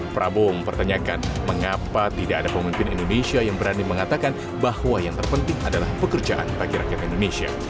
prabowo mempertanyakan mengapa tidak ada pemimpin indonesia yang berani mengatakan bahwa yang terpenting adalah pekerjaan bagi rakyat indonesia